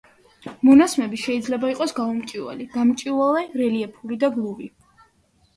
მონასმები შეიძლება იყოს გაუმჭვირვალი, გამჭვირვალე, რელიეფური და გლუვი.